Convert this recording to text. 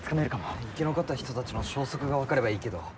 生き残った人の消息が分かればいいけど。